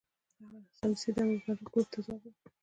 هغه سمدستي د امر بالمعروف ګروپ ته ځواب ورکړ.